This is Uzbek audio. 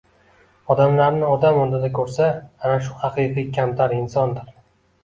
odamlarni odam o‘rnida ko‘rsa, ana o‘sha haqiqiy kamtar insondir.